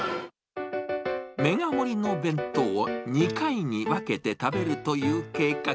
メガ盛りの弁当を２回に分けて食べるという計画。